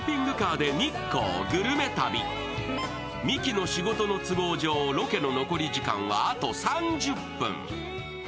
ミキの仕事の都合上、ロケの残り時間はあと３０分。